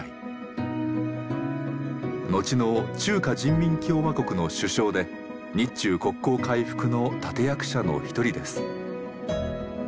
のちの中華人民共和国の首相で日中国交回復の立て役者の一人です。